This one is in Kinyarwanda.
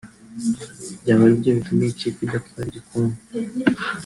byaba aribyo bituma iyi kipe idatwara ibikombe